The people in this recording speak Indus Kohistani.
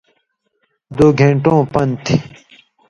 دُو گھینٹَوں پان تھی۔